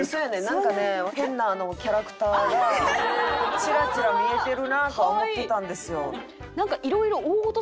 なんかね変なキャラクターがちらちら見えてるなとは思ってたんですよ。